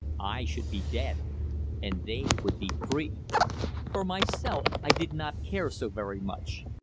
I should be dead and they would be free. For myself, I did not care so very much.